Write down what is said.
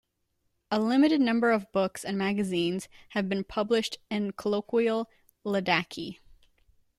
A limited number of books and magazines have been published in colloquial Ladakhi.